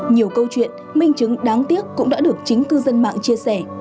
nhiều câu chuyện minh chứng đáng tiếc cũng đã được chính cư dân mạng chia sẻ